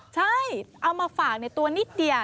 ใช่เอามาฝากในตัวนิดเดียว